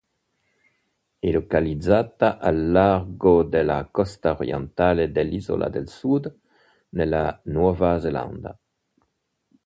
È localizzata al largo della costa orientale dell'Isola del Sud, nella Nuova Zelanda.